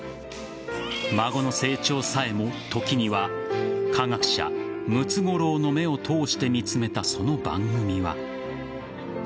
孫の成長さえも時には科学者・ムツゴロウの目を通して見つめたその番組は。